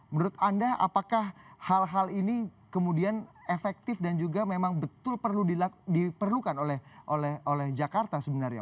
menurut anda apakah hal hal ini kemudian efektif dan juga memang betul diperlukan oleh jakarta sebenarnya